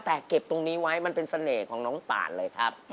แต่เก็บตรงนี้ไว้มันเป็นเสน่ห์ของน้องป่านเลยครับ